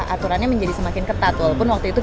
aturannya menjadi semakin ketat walaupun waktu itu